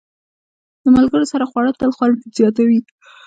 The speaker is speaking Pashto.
د ملګرو سره خواړه تل خوند زیاتوي.